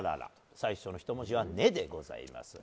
最初の１文字は「ね」でございます。